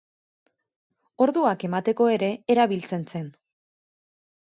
Orduak emateko ere erabiltzen zen.